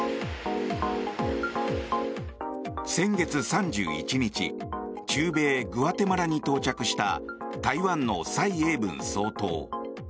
先月３１日中米グアテマラに到着した台湾の蔡英文総統。